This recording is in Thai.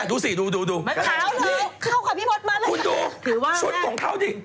คุณดูชุดลงเขาดิ